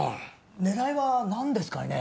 狙いは何ですかいね。